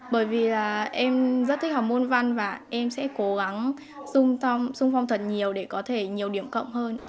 bởi vì em rất thích học môn văn và em sẽ cố gắng sung phong thật nhiều để có thể nhiều điểm cộng hơn